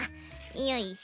よいしょ。